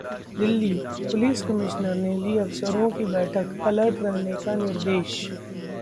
Delhi: police commissioner ने ली अफसरों की बैठक, अलर्ट रहने का निर्देश